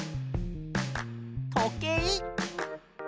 とけい。